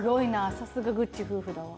さすがぐっち夫婦だわ。